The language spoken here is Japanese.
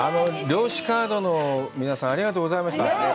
漁師カードの皆さん、ありがとうございました。